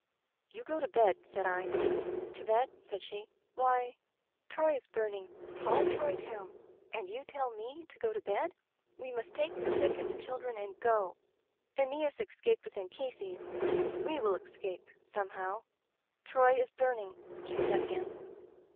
...' "'You go to bed,' said I. "*To bed ?' said she. 'Why, Troy is burn ing — tall Troy town — and you tell me to go to bed! We must take the sick and the chil dren and go. iEneas escaped with Anchises — ^we will escape, somehow. ... Troy is burning,' she said again.